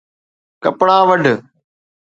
!ڪپڙا وڍ